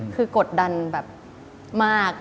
คือกดดันแบบมาก